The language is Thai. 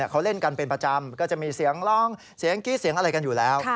เขาเล่นกันเป็นประจำก็จะมีเสียงร้องเสียงกรี๊ดเสียงอะไรกันอยู่แล้ว